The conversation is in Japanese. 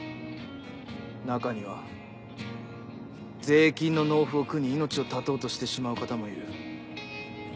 中には税金の納付を苦に命を絶とうとしてしまう方もいる。